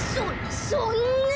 そそんな！